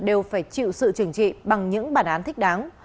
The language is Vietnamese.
đều phải chịu sự trừng trị bằng những bản án thích đáng